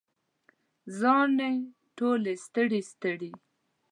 زاڼې ټولې ستړي، ستړي